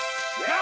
あ！